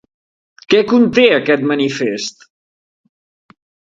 Què conté aquest manifest?